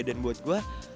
dan buat gue